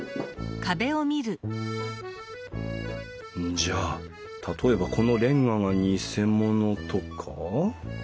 じゃあ例えばこのレンガが偽物とか？